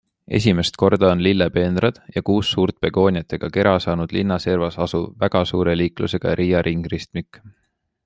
Esimest korda on lillepeenrad ja kuus suurt begooniatega kera saanud linna servas asuv väga suure liiklusega Riia ringristmik.